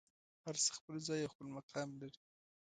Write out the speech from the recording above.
هر څه خپل ځای او خپل مقام لري.